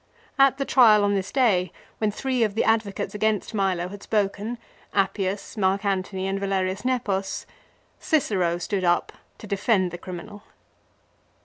At the trial on this day, when three of the advocates against Milo had spoken, Appius, Marc Antony, and Valerius Nepos, Cicero stood up to defend the criminal.